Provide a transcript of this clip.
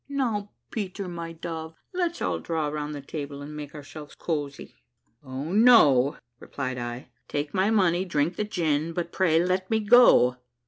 "Now, Peter, my cove, let's all draw round the table, and make ourselves cosy." "O no," replied I, "take my money, drink the gin, but pray let me go!"